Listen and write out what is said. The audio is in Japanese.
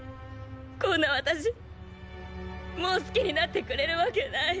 こんな私もう好きになってくれるわけない！